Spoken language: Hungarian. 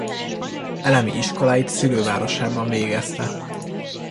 Elemi iskoláit szülővárosában végezte.